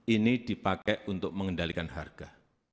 ini dipakai untuk mengendalikan harga